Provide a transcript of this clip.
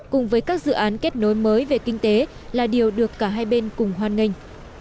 cùng với các dự án kết nối mới về kinh tế là điều được cả hai bên cùng hoan nghênh